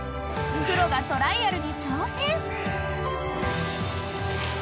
［クロがトライアルに挑戦］